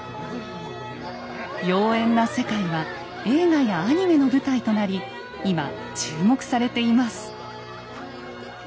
妖艶な世界は映画やアニメの舞台となり今注目されています。